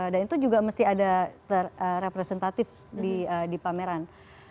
dan itu juga mesti ada terrepresentatif di pameran